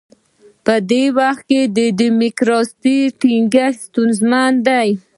په دې هېواد کې د ډیموکراسۍ ټینګښت ستونزمن دی.